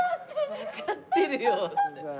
「わかってるよ」。